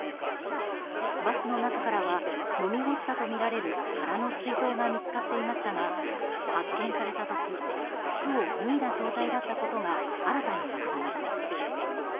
バスの中からは飲み干したとみられる空の水筒が見つかっていましたが発見された時服を脱いだ状態だったことが新たに分かりました。